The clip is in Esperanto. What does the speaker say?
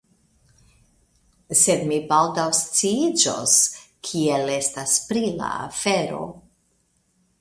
Sed mi baldaŭ sciiĝos, kiel estas pri la afero.